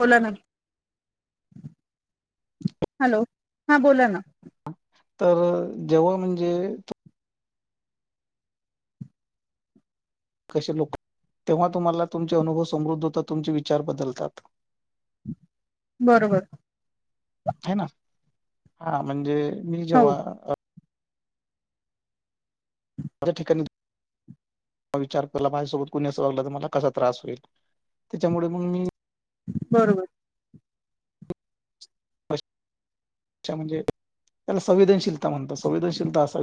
बोला ना. हॅलो हा बोला ना. तर जेव्हा म्हणजे कसे लोक तेव्हा तुम्हाला तुमचे अनुभव समृद्ध होतात, तुमचे विचार बदलतात. बरोबर ह ना हा म्हणजे मी हो जेव्हा माझ्या ठिकाणी विचार केला माझ्यासोबत कुणी अस वागला तर मला कसा त्रास होईल त्याच्यामुळे मग मी बरोबर अ म्हणजे त्याला संवेदनशीलता म्हणत संवेदनशीलता असा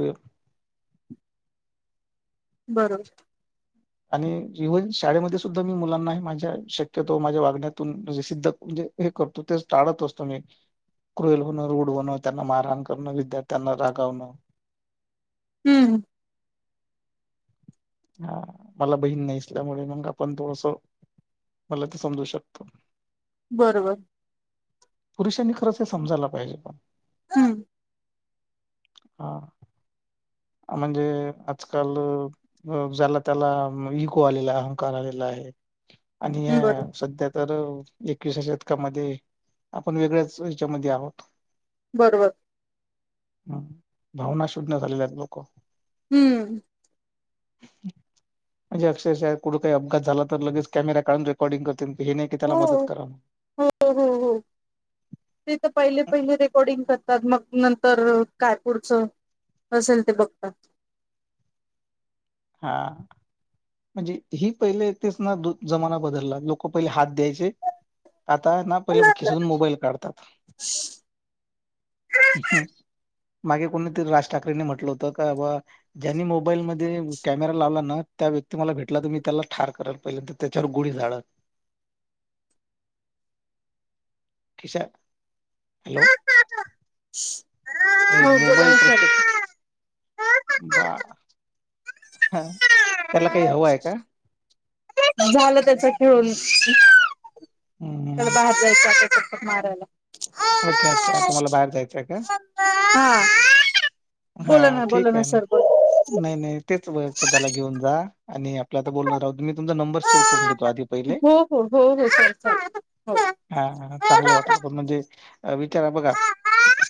बरोबर आणि इव्हन शाळेमध्ये सुद्धा मी मुलांना माझ्या शक्यतो माझ्या वागण्यातूने सिद्ध म्हण हे करतो तेच टाळत असतो मी क्रोल होणं रुडवणं त्यांना मारहाण करणं विद्यार्थ्यांना रागवणं हम्म हा मला बहीण नाही असल्यामुळे मग आपण थोडस मला ते समजू शकतो बरोबर पुरुषांनी खरंच हे समजायला पाहिजे पण हम हा. म्हणजे आजकाल अ जला तेला इगो आलेला अहंकार आलेला आहे. आणि बरोबर सध्या तर एकविसा शतकामध्ये आपण वेगळ्याच हेच्यामध्ये आहोत बर बर. हम् भावना शुद्ध झालेल्या आहेत लोक हम्म. म्हणजे अक्षरश कुठे काय अपघात झाला तर लगेच कॅमेरा काढून रेकॉर्डिंग कर हो हो हो हो. ते तर पहिले पहिले रेकॉर्डिंग करतात मग नं तर काय पुढचं असेल ते बघतात. हा आ. म्हणजे ही पहिले तेच ना दु जमाना बदलला लोक पहिले हात द्यायचे आता ना पहिले‌ म खिशातून मोबाईल काढतात. मागे कोणीतरी राज ठाकरेंनी म्हटलं होत का बाबा ज्यांनी मोबाईलमध्ये कॅमेरा लावला ना त्या व्यक्ती मला भेटला तर मी त्याला ठार करल, पहिल्यांदा तेच्यावर गोळी झाडल ऐ हॅलो. हे हो मोबाईल बोला सर प्रत्येक बा हा तेला काही हवं आहे का? झालं त्याच खेळून त्याला हम्म बाहेर जायचं आप चट मारायला. हा अच्छा अच्छा तुम्हाला बाहेर जायचंय काय? हा बोला ना बोला ठीक आहे ना सर बोला. नाही नाही तेच वळत त्याला घेऊन जा. आणि आपलं आता बोलणं राहुदे मी तुमचा नंबर सेव करून घेतो आधी पहिले हो हो हो हो सर चालेल हो. हा हा चांगलं वाटलं पण म्हणजे अ विचारा बघा.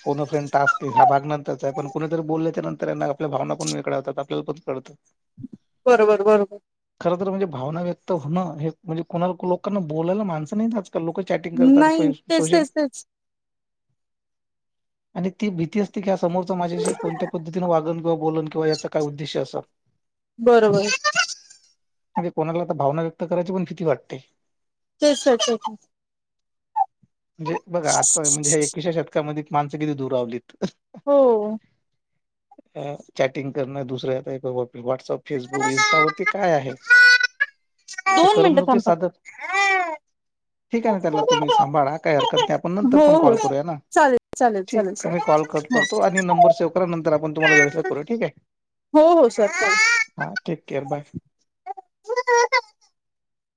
कोन अ फ्रेड टास्क ह्या भाग नंतर चाय पण कुणीतरी बोलय त्या नंतर त्यांना आपल्या भावना पण वेगळ्या होतात, आपल्याला पण कळत बरोबर बरोबर खर तर म्हणजे भावना व्य तर हो ना हे म्हणजे कोणाला लोकांना बोलायला माणस नाइत आज लोक चॅटिंग करतात नाही पैस तेच सोशल तेच तेच आणि ती भीती ह समोरच माझ्याशी कोणत्या पद्धतीने वागण किंवा बोलण किंवा याचा काय उद्देश्य असं हो म्हणजे कोणाला आता भावना व्यक्त करायची पण किती वाटते ते स म्हणजे बघा आजच म्हणजे एकवीशा शतकामध्ये माणस किती दूर आवलीत. हो. ह ए चॅटिंग करणं दुसर्या [unintelligible] व्हॉट्सअप, फेसबुक, इन्स्टावरती काय आहे? दोन रून मिनिटं नुकी थांबा. साधत ठीक हो आहे तेला तुम्ही सांभाळा काय हरकत नाय, आपण नंतर पण हो कॉल करूया ना. चालेल चालेल चालेल ठीक सर मी कॉल कट करतो आणि नंबर सेव्ह करा, नंतर आपण तुम्हाला वेळ असला करूया ठीक य. हो हो सर हा टेक केअर बाय. चालेल [inaudible]